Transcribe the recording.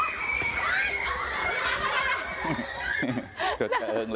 เอาล่ะนี่เอานั่งลง